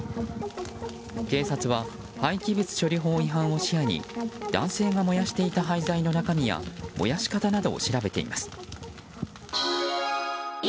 警察は廃棄物処理法違反を視野に男性が燃やしていた廃材の中身や燃やし方などを調べています。